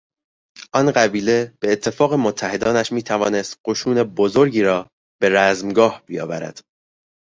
آن قبیله به اتفاق متحدانش میتوانست قشون بزرگی را به رزمگاه بیاورد.